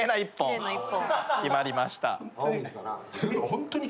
決まりました。